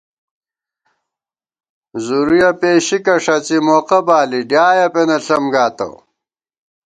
زُرُیَہ پېشِکہ ݭڅی موقہ بالی ڈیایَہ پېنہ ݪم گاتہ